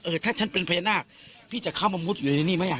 ถ้าฉันเป็นพญานาคพี่จะเข้ามามุดอยู่ในนี่ไหม